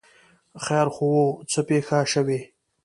ـ خیر خو وو، څه پېښه شوې؟